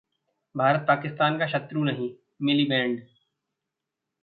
भारत पाकिस्तान का शत्रु नहीं: मिलिबैंड